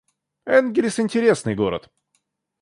Энгельс — интересный город